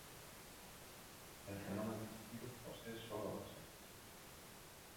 El genoma de estos virus posee solo dos genes.